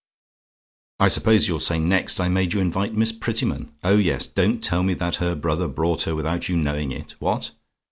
"I suppose you'll say next I made you invite Miss Prettyman? Oh yes; don't tell me that her brother brought her without you knowing it. What?